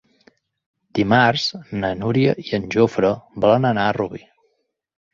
Dimarts na Núria i en Jofre volen anar a Rubí.